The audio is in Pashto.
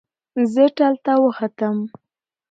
زه ټال ته وختم